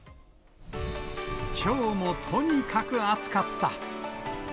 きょうもとにかく暑かった。